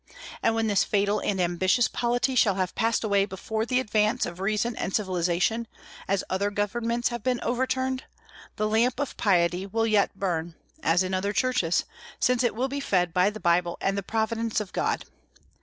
And when this fatal and ambitious polity shall have passed away before the advance of reason and civilization, as other governments have been overturned, the lamp of piety will yet burn, as in other churches, since it will be fed by the Bible and the Providence of God.